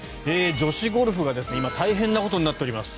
女子ゴルフが今大変なことになっています。